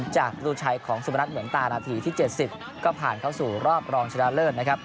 ประตูชัยของสุพนัทเหมือนตานาทีที่๗๐ก็ผ่านเข้าสู่รอบรองชนะเลิศนะครับ